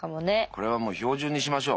これはもう標準にしましょう。